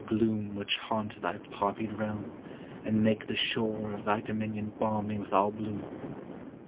gloom Which haunt thy poppied realm, and make the shore Of thy dominion balmy with all bloom.